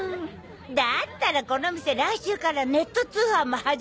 だったらこの店来週からネット通販も始めるみたいよ。